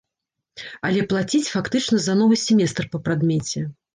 Але плаціць фактычна за новы семестр па прадмеце.